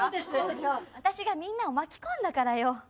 私がみんなを巻き込んだからよ。